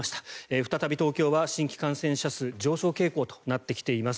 再び東京は新規感染者数上昇傾向となってきています。